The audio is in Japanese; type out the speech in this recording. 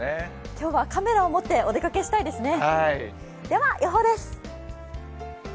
今日はカメラを持ってお出かけしたいですね。